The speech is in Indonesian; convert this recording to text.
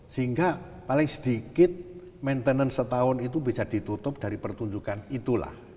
sehingga paling sedikit maintenance setahun itu bisa ditutup dari pertunjukan itulah